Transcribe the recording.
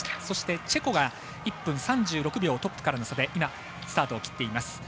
そして、チェコが１分３６秒トップからの差でスタートを切っています。